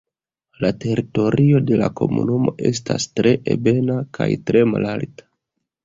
La teritorio de la komunumo estas tre ebena kaj tre malalta.